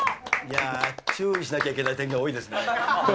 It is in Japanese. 注意しなきゃいけない点が多いですね。